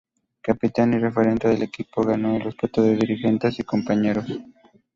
Capitán y referente del equipo, ganó el respeto de dirigentes y compañeros.